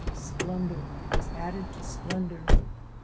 Splendor was added to splendor.